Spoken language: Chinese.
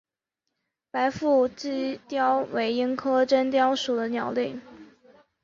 白腹隼雕为鹰科真雕属的鸟类。